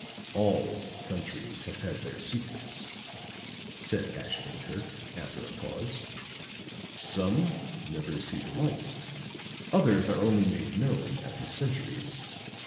"All countries have had their secrets," said Ashton Kirk, after a pause. "Some never see the light others are only made known after centuries.